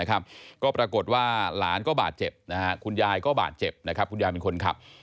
ก็ปรากฏว่าหลานก็บาดเจ็บคุณยายก็บาดเจ็บคุณยายเป็นคนขับ